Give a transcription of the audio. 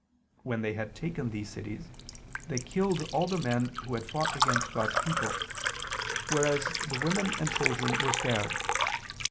When they had taken these cities, they killed all the men who had fought against God's people; whereas the women and children were spared.